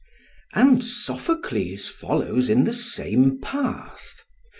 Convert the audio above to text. ] And Sophocles follows in the same path.